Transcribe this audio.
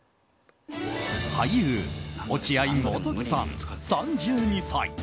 俳優・落合モトキさん、３２歳。